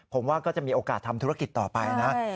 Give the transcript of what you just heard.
ผมว่าก็จะมีโอกาสทำธุรกิจต่อไปนะ